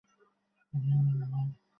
দেখে - শুনে দৌড়ে নিখুঁতভাবে নামতে হবে।